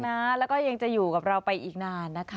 แล้วก็ยังจะอยู่กับเราไปอีกนานนะคะ